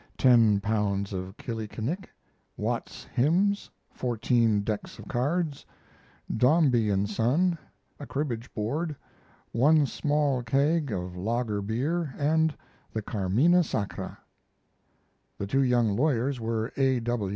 ten pounds of killikinick, Watts's Hymns, fourteen decks of cards, Dombey and Son, a cribbage board, one small keg of lager beer, and the "Carmina Sacra." The two young lawyers were A.